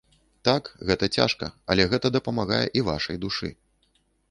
Так, гэта цяжка, але гэта дапамагае і вашай душы.